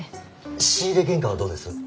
仕入れ原価はどうです？